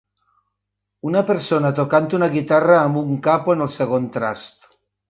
Una persona tocant una guitarra amb un capo en el segon trast.